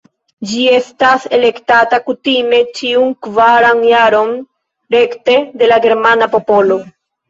Ĝi estas elektata kutime ĉiun kvaran jaron rekte de la germana popolo.